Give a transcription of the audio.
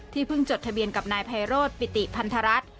เพิ่งจดทะเบียนกับนายไพโรธปิติพันธรัฐ